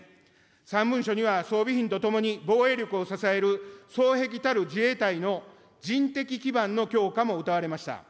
３文書には、装備品とともに、防衛力を支える双璧たる自衛隊の人的基盤の強化もうたわれました。